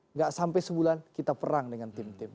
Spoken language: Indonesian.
nggak sampai sebulan kita perang dengan tim tim